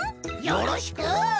よろしく！